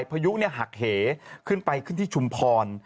ประยุกต์หักเหขึ้นไปขึ้นที่ชุมภร